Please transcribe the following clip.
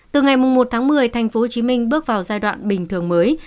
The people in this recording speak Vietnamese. từ ngày một tháng một mươi tp hcm bước vào giai đoạn bình thường mới